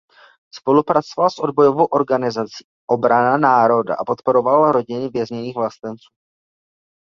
Spolupracoval s odbojovou organizací Obrana národa a podporoval rodiny vězněných vlastenců.